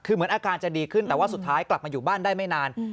คือเหมือนอาการจะดีขึ้นแต่ว่าสุดท้ายกลับมาอยู่บ้านได้ไม่นาน